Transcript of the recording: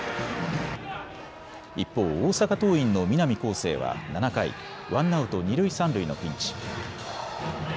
一方、大阪桐蔭の南恒誠は７回、ワンアウト二塁三塁のピンチ。